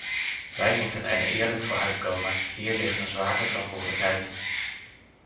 Wij moeten er eerlijk voor uitkomen: hier ligt een zware verantwoordelijkheid!